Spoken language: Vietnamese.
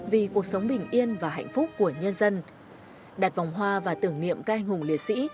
vì cuộc sống bình yên và hạnh phúc của nhân dân đặt vòng hoa và tưởng niệm các anh hùng liệt sĩ